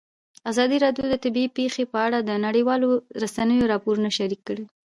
ازادي راډیو د طبیعي پېښې په اړه د نړیوالو رسنیو راپورونه شریک کړي.